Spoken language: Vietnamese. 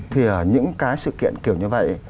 thì ở những cái sự kiện kiểu như vậy